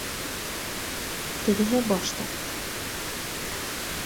Тегеһе баш тартты